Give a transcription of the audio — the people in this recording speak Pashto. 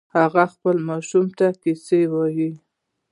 هغه خپل ماشوم ته کیسې وایې